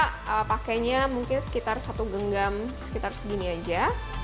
ini enggak lengket gitu ya oke kita pakainya mungkin sekitar satu genggam sekitar segini aja